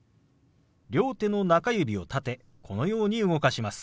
両手の中指を立てこのように動かします。